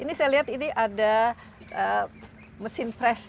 ini saya lihat ini ada mesin fresh